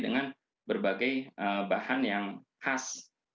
dengan berbagai bahan yang khas